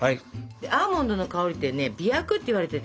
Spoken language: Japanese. アーモンドの香りってね「媚薬」っていわれててね